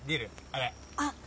あれ。